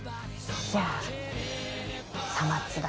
じゃあ。